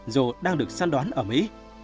dù đang được săn đoán ở mỹ